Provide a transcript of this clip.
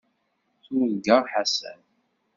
Turga Ḥasan.